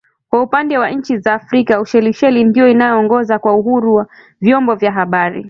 Kwa upande wa nchi za Afrika Ushelisheli, ndiyo inaongoza kwa uhuru wa vyombo vya habari